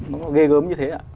nó gây gớm như thế